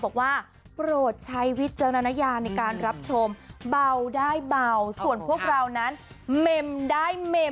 บอกว่าโปรดใช้วิจารณญาในการรับชมเบาได้เบาส่วนพวกเรานั้นเมมได้เมม